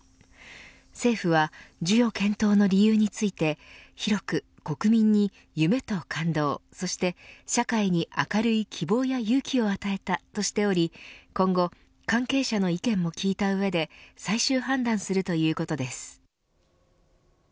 政府は授与検討の理由について広く国民に、夢と感動そして社会に明るい希望や勇気を与えたとしており今後、関係者の意見も聞いた上で最終判断するということです。